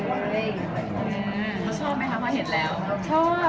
เขาชอบไหมคะเค้าเห็นแล้ว